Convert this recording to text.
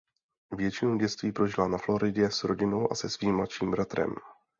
Většinu dětství prožila na Floridě s rodinou a se svým mladším bratrem.